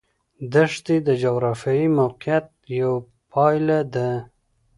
دښتې د جغرافیایي موقیعت یوه پایله ده.